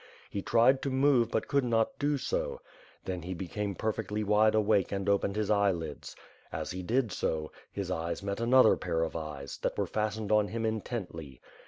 He tried to move but could not do so. Then he became perfectly wide awake and opened his eyelids. As he did so, his eyes met another pair of eyes, that were fastened on him intently.